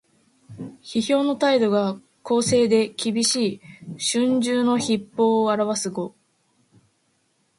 批評の態度が公正できびしい「春秋筆法」を表す語。